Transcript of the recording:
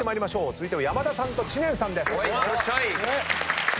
続いては山田さんと知念さんです。